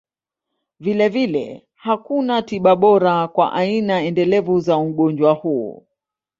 Vilevile, hakuna tiba bora kwa aina endelevu za ugonjwa huu.